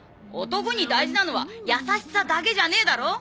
男に大事なのは優しさだけじゃねえだろ？